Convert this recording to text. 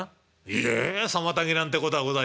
「いえ妨げなんてことはございません。